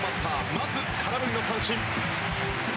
まず空振りの三振。